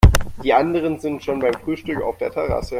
Die anderen sind schon beim Frühstück auf der Terrasse.